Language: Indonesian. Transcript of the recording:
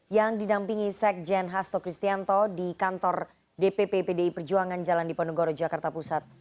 yang didampingi sekjen hasto kristianto di kantor dpp pdi perjuangan jalan diponegoro jakarta pusat